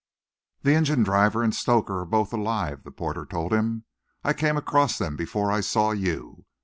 "The engine driver and stoker are both alive," the porter told him. "I came across them before I saw you.